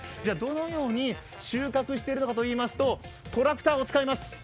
どのように収穫しているかというとトラクターを使います。